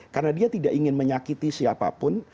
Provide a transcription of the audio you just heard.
karena dia tidak ingin menyakiti siapapun